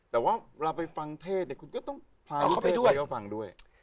แต่ว่าเวลาไปฟังเทศเด็กคุณก็ต้องพาเทศไปเอาฟังด้วย